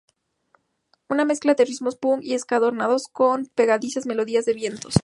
Una mezcla de ritmos punk y ska adornados con pegadizas melodías de vientos.